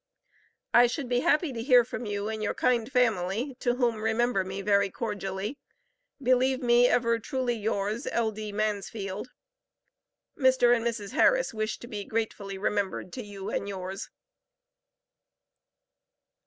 I should be happy to hear from you and your kind family, to whom remember me very cordially. Believe me ever truly yours, L.D. MANSFIELD. Mr. and Mrs. Harris wish to be gratefully remembered to you and yours.